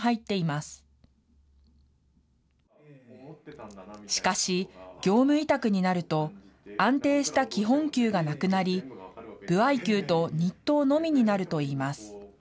しかし、業務委託になると、安定した基本給がなくなり、歩合給と日当のみになるといいます。